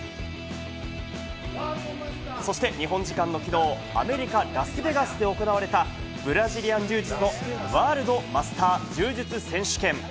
そして日本時間のきのうアメリカ・ラスベガスで行われた、ブラジリアン柔術のワールドマスター柔術選手権。